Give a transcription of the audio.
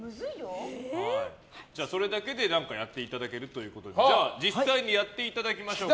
それだけでやっていただけるということで実際にやっていただきましょう。